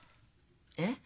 えっ？